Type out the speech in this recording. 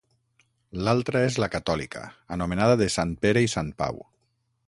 L'altra és la catòlica, anomenada de Sant Pere i Sant Pau.